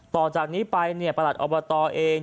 ต่อจากนี้ไปเนี่ยประหลัดอบตเอง